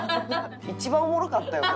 一番おもろかったよな。